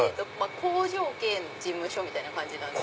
工場兼事務所みたいな感じです。